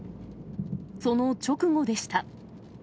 その直後でした。